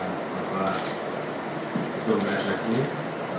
bapak yang baru saja kembali ke universitas indonesia